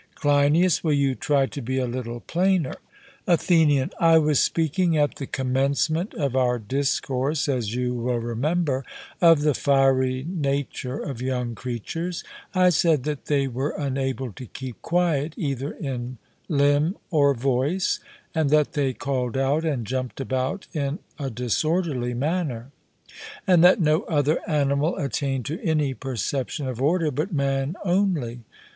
CLEINIAS: Will you try to be a little plainer? ATHENIAN: I was speaking at the commencement of our discourse, as you will remember, of the fiery nature of young creatures: I said that they were unable to keep quiet either in limb or voice, and that they called out and jumped about in a disorderly manner; and that no other animal attained to any perception of order, but man only.